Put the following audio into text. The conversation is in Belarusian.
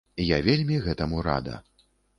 Я вельмі гэтаму рада.